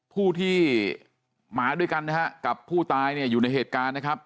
ผู้ที่มาด้วยกันนะฮะกับผู้ตายเนี่ยอยู่ในเหตุการณ์นะครับ